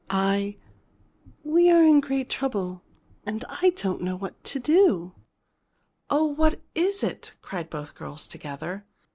I we are in great trouble and I don't know what to do." "Oh, what is it?" cried both girls together.